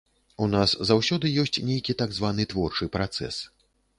У нас заўсёды ёсць нейкі так званы творчы працэс.